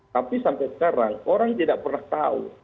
tapi sampai sekarang orang tidak pernah tahu